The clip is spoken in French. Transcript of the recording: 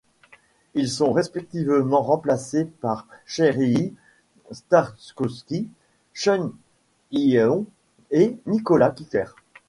Ils sont respectivement remplacés par Serhiy Stakhovsky, Chung Hyeon et Nicolás Kicker.